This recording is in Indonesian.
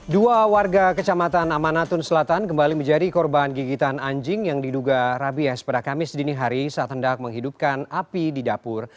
dua warga kecamatan amanatun selatan kembali menjadi korban gigitan anjing yang diduga rabies pada kamis dini hari saat hendak menghidupkan api di dapur